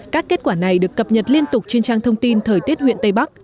các kết quả này được cập nhật liên tục trên trang thông tin thời tiết huyện tây bắc